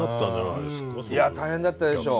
いや大変だったでしょう。